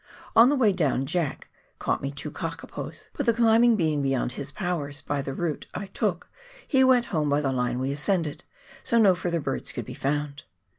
On the way down " Jack " caught me two kakapos, but the climbing being beyond his powers, by the route I took, he went home by the line we ascended, so no further birds could be found.